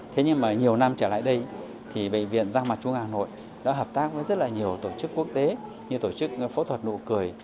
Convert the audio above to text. thế nhưng mà nhiều năm trở lại đây thì bệnh viện giang mặt trung ương hà nội đã hợp tác với rất là nhiều tổ chức quốc tế như tổ chức phẫu thuật nụ cười